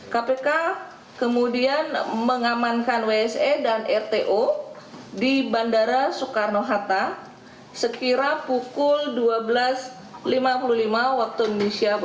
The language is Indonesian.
kpk kemudian mengamankan wsa dan rto di bandara soekarno hatta sekira pukul dua belas lima puluh lima wib